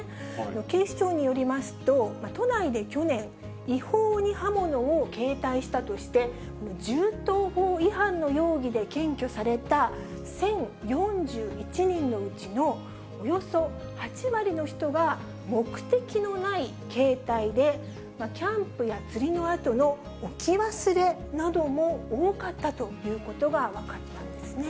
警視庁によりますと、都内で去年、違法に刃物を携帯したとして、銃刀法違反の容疑で検挙された１０４１人のうちのおよそ８割の人が、目的のない携帯で、キャンプや釣りのあとの置き忘れなども多かったということが分かったんですね。